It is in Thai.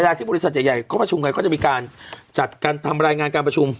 ที่บริษัทใหญ่เขาประชุมกันก็จะมีการจัดการทำรายงานการประชุม